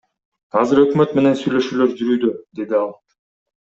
Азыр өкмөт менен сүйлөшүүлөр жүрүүдө, — деди ал.